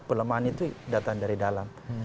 pelemahan itu datang dari dalam